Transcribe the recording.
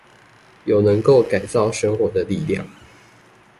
有能夠改造生活的力量